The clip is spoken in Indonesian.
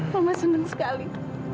mama seneng sekali